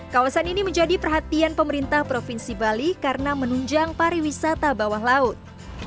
kawasan ini menjadi perhatian pemerintah provinsi bali karena menunjang pariwisata bawah laut